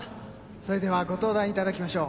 それではご登壇いただきましょう。